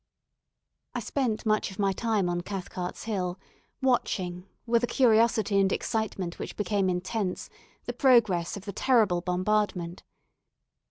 I spent much of my time on Cathcart's Hill, watching, with a curiosity and excitement which became intense, the progress of the terrible bombardment.